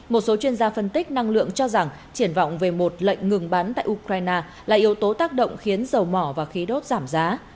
một số chuyên gia phân tích năng lượng cho rằng triển vọng về một lệnh ngừng bắn tại ukraine là yếu tố tác động khiến dầu mỏ và khí đốt giảm giá